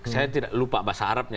saya tidak lupa bahasa arabnya